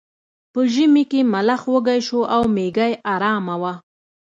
په ژمي کې ملخ وږی شو او میږی ارامه وه.